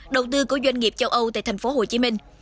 đầu tư của doanh nghiệp châu âu tại thành phố hồ chí minh